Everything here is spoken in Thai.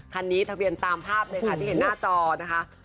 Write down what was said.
คันนี้ทะเบียนตามภาพเลยค่ะที่เห็นหน้าจอนะคะ